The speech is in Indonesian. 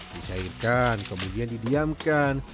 dihairkan kemudian didiamkan